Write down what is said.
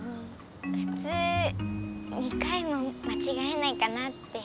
ふつう２回もまちがえないかなって。